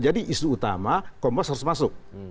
jadi isu utama kompas harus masuk